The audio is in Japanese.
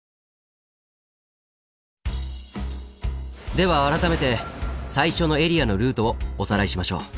では改めて最初のエリアのルートをおさらいしましょう。